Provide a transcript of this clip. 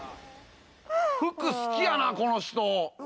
服好きやな、この人。